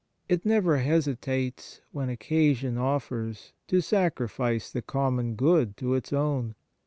It never hesitates, when occasion offers, to sacrifice the common good to its own.